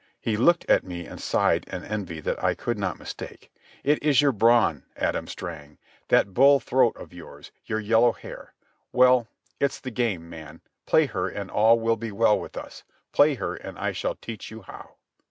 He looked at me and sighed an envy I could not mistake. "It is your brawn, Adam Strang, that bull throat of yours, your yellow hair. Well, it's the game, man. Play her, and all will be well with us. Play her, and I shall teach you how."